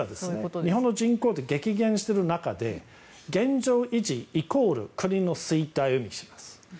日本の人口って激減している中で現状維持イコール国の衰退を意味します。